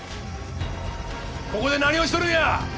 ここで何をしとるんや！？